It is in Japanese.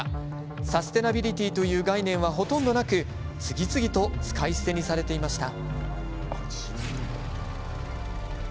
サスティナビリティーという概念は、ほとんどなく次々と使い捨てにされていました。